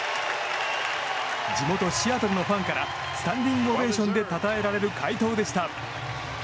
地元シアトルのファンからスタンディングオベーションでたたえられる快投でした。